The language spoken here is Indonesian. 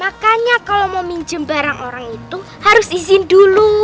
makanya kalau mau minjem barang orang itu harus izin dulu